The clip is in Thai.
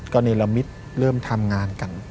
ก็เนรมิตเริ่มทำงานกัน